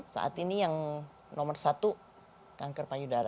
saat ini yang nomor satu kanker payudara